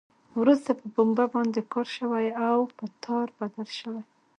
وروسته په پنبه باندې کار شوی او په تار بدل شوی.